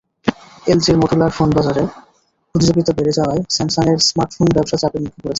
এলজির modular ফোনবাজারে প্রতিযোগিতা বেড়ে যাওয়ায় স্যামসাংয়ের স্মার্টফোন ব্যবসা চাপের মুখে পড়েছে।